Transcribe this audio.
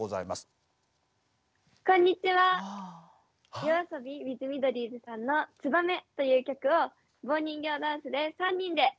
ＹＯＡＳＯＢＩｗｉｔｈミドリーズさんの「ツバメ」という曲を棒人形ダンスで３人で踊りました。